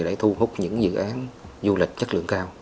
để thu hút những dự án du lịch chất lượng cao